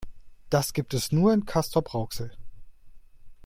Das gibt es nur in Castrop-Rauxel